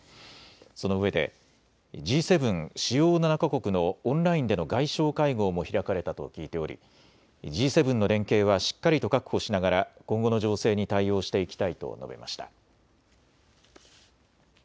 そのうえでＧ７・主要７か国のオンラインでの外相会合も開かれたと聞いておりＧ７の連携はしっかりと確保しながら今後の情勢に対応していきたいと述べました。